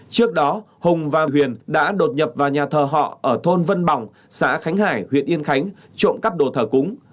trước đó hùng và huyền đã đột nhập vào nhà thờ họ ở thôn vân bỏng xã khánh hải huyện yên khánh trộm cắp đồ thờ cúng